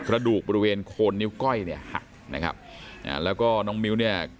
ระดูกบริเวณโคนนิ้วก้อยเนี่ยหักนะครับอ่าแล้วก็น้องมิ้วเนี่ย